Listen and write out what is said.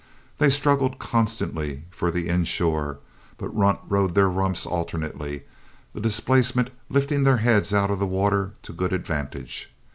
They struggled constantly for the inshore, but Runt rode their rumps alternately, the displacement lifting their heads out of the water to good advantage.